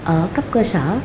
ở cấp cơ sở